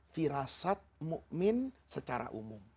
firasat mu'min secara umum